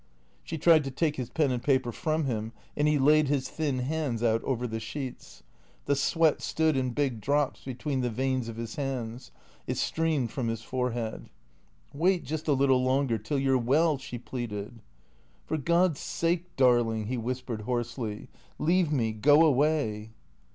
She tried to take his pen and paper from him, and he laid his thin hands out over the sheets. The sweat stood in big drops between tlie veins of his hands ; it streamed from his forehead. " Wait just a little longer, till you 're well," she pleaded. " For God's sake, darling," he whispered hoarsely, " leave me, go away."